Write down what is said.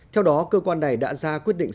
theo đó cơ quan này đã ra quyết định